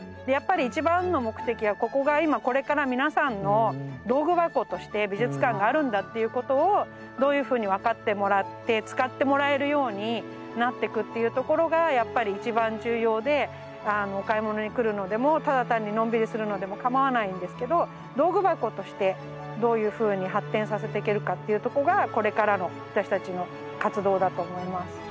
やっぱり一番の目的はここが今これから皆さんの道具箱として美術館があるんだっていうことをどういうふうに分かってもらって使ってもらえるようになってくというところがやっぱり一番重要でお買い物に来るのでもただ単にのんびりするのでもかまわないんですけど道具箱としてどういうふうに発展させてけるかというとこがこれからの私たちの活動だと思います。